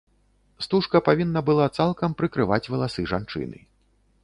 Стужка павінна была цалкам прыкрываць валасы жанчыны.